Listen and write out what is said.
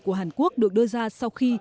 của hàn quốc được đưa ra sau khi